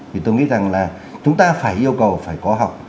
thì tôi nghĩ rằng là chúng ta phải yêu cầu phải có học